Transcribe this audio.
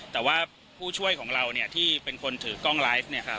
แต่ว่าผู้ช่วยของเราที่เป็นคนถือกล้องไลฟ์